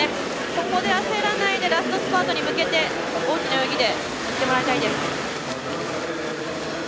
ここで焦らないでラストスパートに向けて大きな泳ぎでいってもらいたいです。